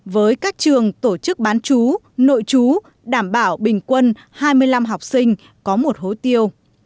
với các trường tổ chức bán chú nội chú đảm bảo bình quân hai mươi năm học sinh có một hố tiêu